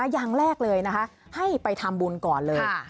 อย่างแรกเลยนะคะให้ไปทำบุญก่อนเลย